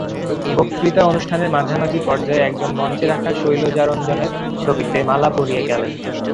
বক্তৃতা অনুষ্ঠানের মাঝামাঝি পর্যায়ে একজন মঞ্চে রাখা শৈলজারঞ্জনের ছবিতে মালা পরিয়ে গেলেন।